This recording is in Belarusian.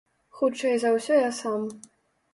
Хутчэй за ўсё я сам.